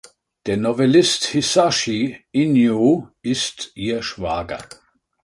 Der Novellist Hisashi Inoue ist ihr Schwager.